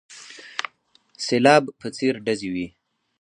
سلاب په څېر ډزې وې.